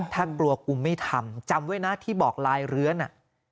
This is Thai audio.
ถ้ากลัวกูไม่ทำจำไว้นะที่บอกลายเรือน